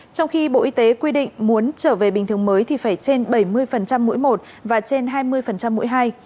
trong khi bộ y tế quy định muốn trở về bình thường mới thì phải trên bảy mươi mỗi một và trên hai mươi mỗi hai